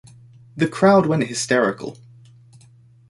The crowd went hysterical.